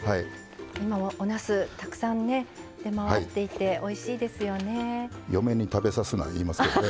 たくさんね出回っていておいしいですよね。